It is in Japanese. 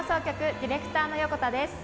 ディレクターの横田です。